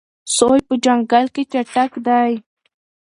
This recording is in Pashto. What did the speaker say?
سوی په ځنګل کې چټک دی.